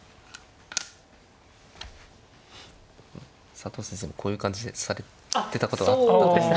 佐藤先生もこういう感じで指されてたことがあった確か。